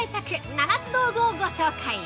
７つ道具をご紹介。